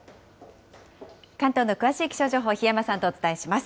関東の詳しい気象情報、檜山さんとお伝えします。